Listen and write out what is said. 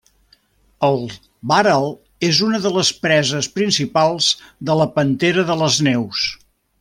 El bàral és una de les preses principals de la pantera de les neus.